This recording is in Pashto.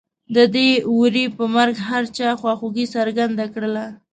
د دې وري په مرګ هر چا خواخوږي څرګنده کړله.